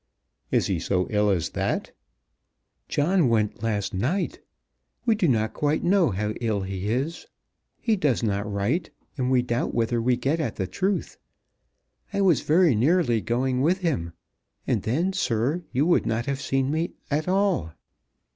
"Is he so ill as that?" "John went last night. We do not quite know how ill he is. He does not write, and we doubt whether we get at the truth. I was very nearly going with him; and then, sir, you would not have seen me at all."